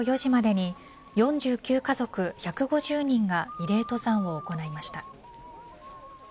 ４９家族１５０人が慰霊登山を行いました。